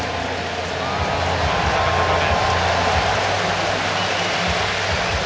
真ん中高め。